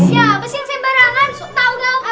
ya besin sembarangan tau gak apa sih